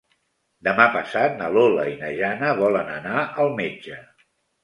Demà passat na Lola i na Jana volen anar al metge.